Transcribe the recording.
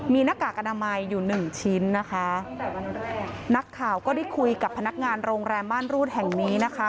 มีหน้ากากอนามัยอยู่หนึ่งชิ้นนะคะนักข่าวก็ได้คุยกับพนักงานโรงแรมม่านรูดแห่งนี้นะคะ